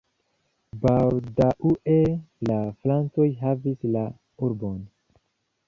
Baldaŭe la francoj havis la urbon.